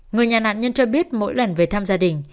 người nhà nạn nhân cho biết mỗi lần về thăm gia đình